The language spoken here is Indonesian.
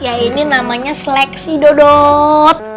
ya ini namanya seleksi dodot